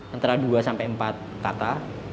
antara dua sampai empat kata